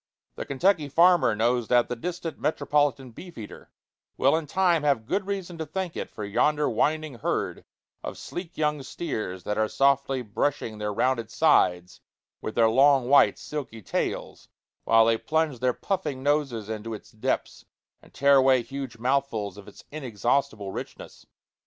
The Kentucky farmer knows that the distant metropolitan beef eater will in time have good reason to thank it for yonder winding herd of sleek young steers that are softly brushing their rounded sides with their long, white, silky tails, while they plunge their puffing noses into its depths and tear away huge mouthfuls of its inexhaustible richness.